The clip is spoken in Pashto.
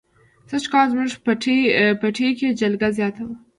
سږ کال زموږ پټي کې جلگه زیاته وه.